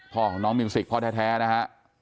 พ่อของน้องมิวสิกพ่อแท้นะฮะ